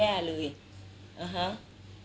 แล้วความรู้สึกเราเป็นยังไงของพี่พอร์ด